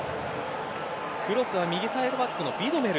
クロスは右サイドバックのヴィドメル。